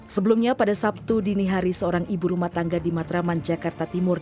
sebelumnya pada sabtu dini hari seorang ibu rumah tangga di matraman jakarta timur